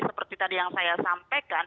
seperti tadi yang saya sampaikan